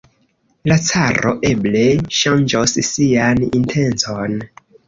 La caro eble ŝanĝos sian intencon.